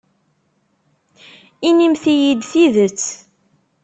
Inimt-iyi-d tidet.